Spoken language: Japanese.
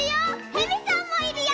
へびさんもいるよ！